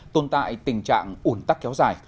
tồn tại tình trạng ủn tắc kéo dài